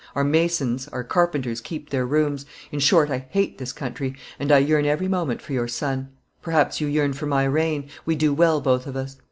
Our masons, our carpenters keep their rooms; in short, I hate this country, and I yearn every moment for your sun; perhaps you yearn for my rain; we do well, both of us.